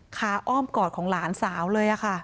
อ้อมกอดของหลานสาวเลยค่ะ